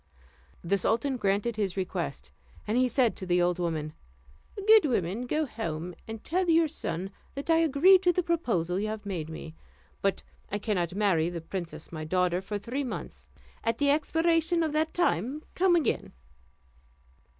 The sultan granted his request, and he said to the old woman, "Good woman, go home, and tell your son that I agree to the proposal you have made me; but I cannot marry the princess my daughter for three months; at the expiration of that time come again."